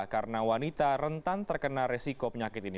karena wanita rentan terkena resiko penyakit ini